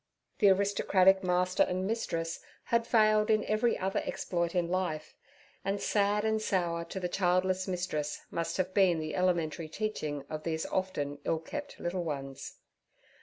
The aristocratic master and mistress had failed in every other exploit in life, and sad and sour to the childless mistress must have been the elementary teaching of these often ill kept little ones.